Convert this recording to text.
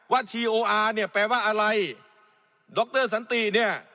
ชีโออาร์เนี่ยแปลว่าอะไรดรสันติเนี่ย